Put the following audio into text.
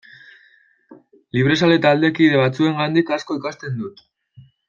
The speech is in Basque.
Librezale taldekide batzuengandik asko ikasten dut.